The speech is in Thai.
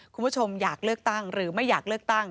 คุณผู้ชมอยากเลือกตั้งหรือไม่อยากเลือกตั้ง